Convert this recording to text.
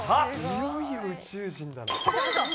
いよいよ宇宙人だな。